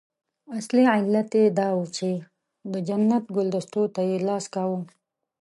اصلي علت یې دا وو چې د جنت ګلدستو ته یې لاس کاوه.